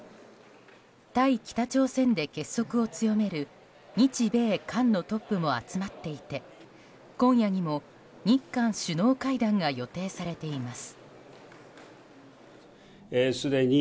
対北朝鮮で結束を強める日米韓のトップも集まっていて今夜にも日韓首脳会談が予定されています。